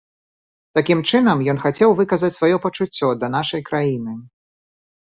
Такім чынам ён хацеў выказаць сваё пачуццё да нашай краіны.